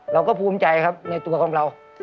เราก็ภูมิใจครับในตัวของเรา